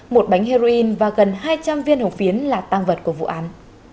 một bánh heroin và gần hai trăm linh viên hồng phiến là tăng vật của vụ án